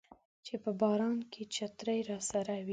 چې په باران کې چترۍ راسره وي